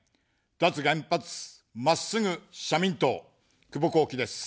脱原発、まっすぐ社民党、久保孝喜です。